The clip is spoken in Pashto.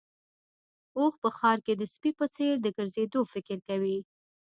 اوښ په ښار کې د سپي په څېر د ګرځېدو فکر کوي.